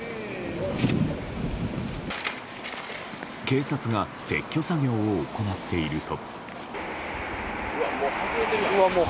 警察が撤去作業を行っていると。